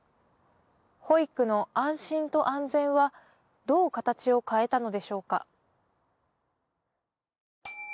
保育の安心と安全はどう形を変えたのでしょうか。